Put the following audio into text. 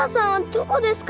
どこですか？